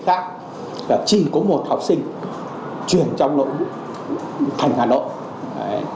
tại vì vậy chỉ có một học sinh chuyển trong nội thành hà nội